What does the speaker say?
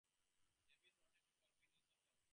Davis wanted to confront Nelson publicly.